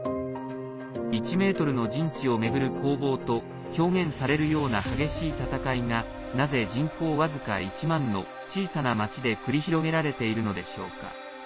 １ｍの陣地を巡る攻防と表現されるような激しい戦いがなぜ、人口僅か１万の小さな町で繰り広げられているのでしょうか。